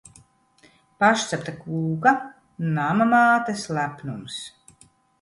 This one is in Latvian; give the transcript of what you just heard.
Pašcepta kūka! Nama mātes lepnums!